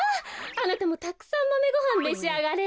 あなたもたくさんマメごはんめしあがれ。